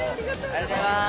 ありがとうございます。